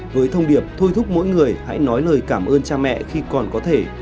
với thông điệp thôi thúc mỗi người hãy nói lời cảm ơn cha mẹ khi còn có thể